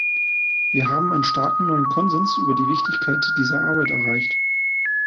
Wir haben einen starken neuen Konsens über die Wichtigkeit dieser Arbeit erreicht.